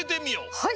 はい！